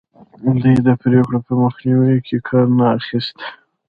دوی د پرېکړو په مخنیوي کې کار نه اخیست.